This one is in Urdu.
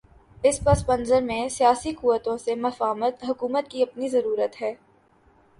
اس پس منظر میں سیاسی قوتوں سے مفاہمت حکومت کی اپنی ضرورت ہے۔